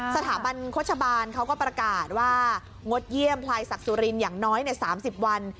สถาบันโฆษบาลเขาก็ประกาศว่างดเยี่ยมพลายศักดิ์สุรินทร์อย่างน้อย๓๐วัน